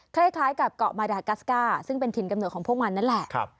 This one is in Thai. คล้ายกับเกาะมาดากัสก้าซึ่งเป็นถิ่นกำหนดของพวกมันนั่นแหละ